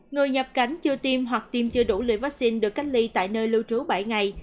người nhập cảnh chưa tiêm hoặc tiêm chưa đủ liều vaccine được cách ly tại nơi lưu trú bảy ngày